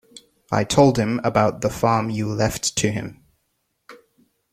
I told him about the farm you left to him.